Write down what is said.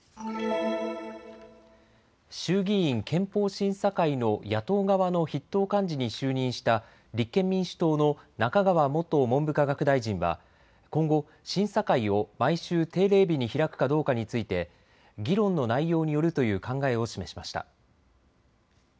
衆議院憲法審査会の野党側の筆頭幹事に就任した立憲民主党の中川元文部科学大臣は今後、審査会を毎週定例日に開くかどうかについて議論の内容によるという考えを示しました。